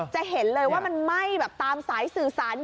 จะเห็นเลยว่ามันไหม้แบบตามสายสื่อสาร